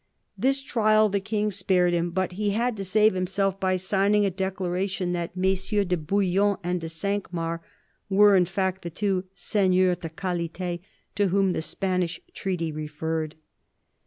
This trial the King spared him; but he had to save himself by signing a declaration that Messieurs de Bouillon and de Cinq Mars were in fact the two " seigneurs de qualit6 " to whom the Spanish treaty referred.